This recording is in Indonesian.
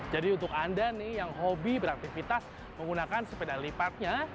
untuk anda nih yang hobi beraktivitas menggunakan sepeda lipatnya